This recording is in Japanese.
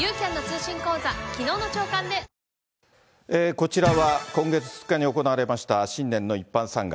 こちらは今月２日に行われました新年の一般参賀。